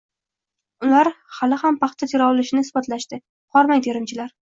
Ular hali ham paxta tera olishini isbotlashdi: "Hormang, terimchilar!"